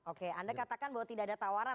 oke anda katakan bahwa tidak ada tawaran